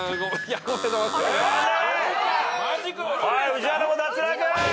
宇治原も脱落！